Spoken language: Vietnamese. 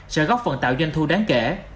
sẽ góp phần tạo doanh thu đáng kể